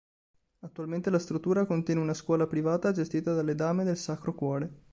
Attualmente la struttura contiene una scuola privata gestita dalle dame del Sacro Cuore.